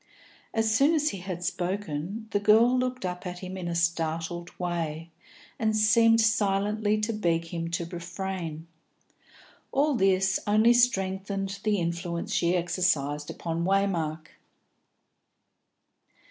As soon as he had spoken, the girl looked up at him in a startled way, and seemed silently to beg him to refrain. All this only strengthened the influence she exercised upon Waymark.